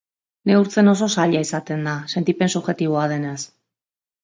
Neurtzen oso zaila izaten da, sentipen subjektiboa denez.